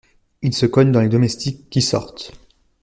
Il se cogne dans les domestiques qui sortent.